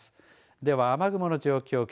では雨雲の状況